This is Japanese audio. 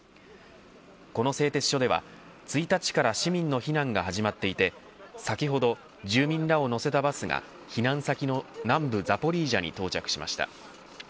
この製鉄所では１日から市民の避難が始まっていて先ほど住民らを乗せたバスが避難先の南部ザポリージャに到着しました。